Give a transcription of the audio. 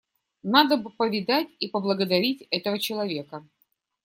Надо бы повидать и поблагодарить этого человека.